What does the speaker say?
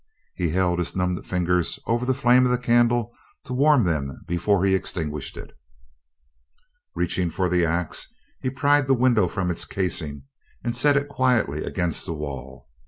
He held his numbed fingers over the flame of the candle to warm them before he extinguished it. Reaching for the axe, he pried the window from its casing and set it quietly against the wall.